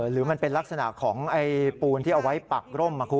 หรือมันเป็นลักษณะของปูนที่เอาไว้ปักร่ม